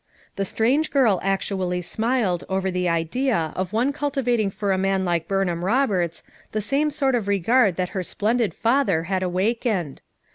The strange girl actually smiled over the idea of one cultivating for a man like Burnham Roberts the same sort of regard that her splendid father had awakened!